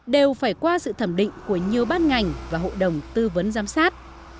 đều phải qua sự thẩm định của nhiều ban ngành và hội đồng tư vấn giám sát